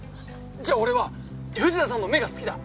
じゃ俺は藤田さんの目が好きだ！